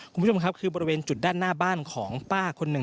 คุณผู้ชมครับคือบริเวณจุดด้านหน้าบ้านของป้าคนหนึ่ง